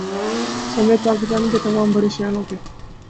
سمیت پاکستان کے تمام بڑے شہروں کے